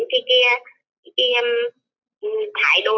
cái thái độ